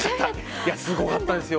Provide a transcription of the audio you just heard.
いや、すごかったですよ。